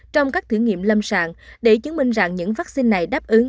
trong các thử nghiệm lâm sàng để chứng minh rằng những vaccine này đáp ứng